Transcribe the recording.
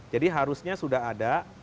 jadi harusnya sudah ada